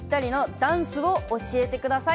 ダンスを教えてください？